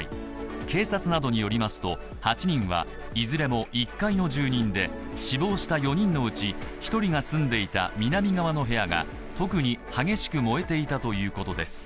警察などによりますと、８人はいずれも１階の住人で死亡した４人のうち１人が住んでいた南側の部屋が特に激しく燃えていたということです。